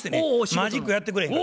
マジックやってくれへんか。